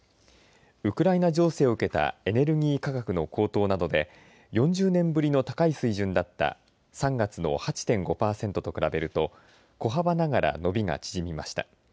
ウクライナ情勢を受けたエネルギー価格の高騰などで４０年ぶりの高い水準だった３月の８．５パーセントと比べると小幅ながら伸びが縮みました。